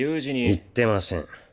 言ってません。